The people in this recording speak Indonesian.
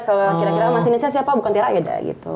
kira kira masinisnya siapa bukan tiara ya dah gitu